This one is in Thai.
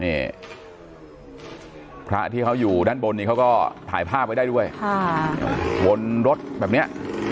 นี่พระที่เขาอยู่ด้านบนนี้เขาก็ถ่ายภาพไว้ได้ด้วยค่ะบนรถแบบเนี้ย